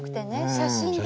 写真で？